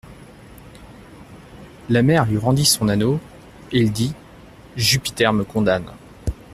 La mer lui rendit son anneau, et il dit : Jupiter me condamne.